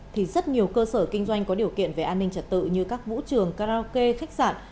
thì rất nhiều cơ sở kinh doanh có điều kiện về an ninh trật tự như các vũ trường karaoke khách sạn